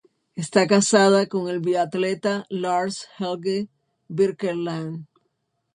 Está casada con el biatleta Lars Helge Birkeland.